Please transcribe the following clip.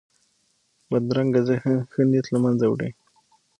بدرنګه ذهن ښه نیت له منځه وړي